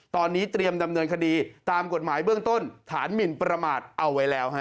ตอนนี้เตรียมดำเนินคดีตามกฎหมายเบื้องต้นฐานหมินประมาทเอาไว้แล้วฮะ